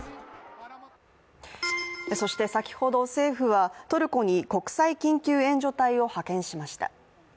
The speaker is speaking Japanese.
そして先ほど政府はトルコに国際緊急援助隊を派遣しました。